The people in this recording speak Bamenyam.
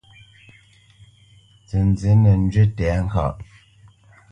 Nzənzí nə́ njywi tɛ̌ŋkaʼ.